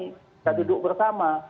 kita duduk bersama